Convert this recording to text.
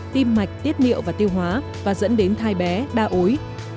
tim mạch tiết niệu và tiêu hóa và dẫn đến thai bé đa ối